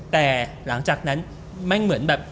แต่หลังจากนั้นแม่งเหมือนแบบ